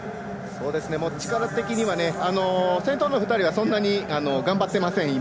力的には先頭の２人はそんなに頑張ってません、今。